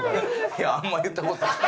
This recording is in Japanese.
いやあんまり言った事ない。